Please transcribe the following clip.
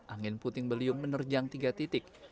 angin puting beliung menerjang tiga titik